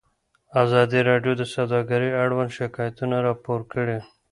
ازادي راډیو د سوداګري اړوند شکایتونه راپور کړي.